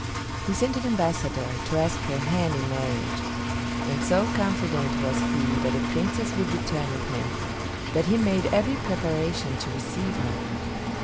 He sent an ambassador to ask her hand in marriage; and so confident was he that the Princess would return with him, that he made every preparation to receive her.